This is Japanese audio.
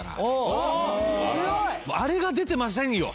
あれが出てませんよ。